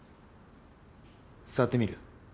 触ってみる？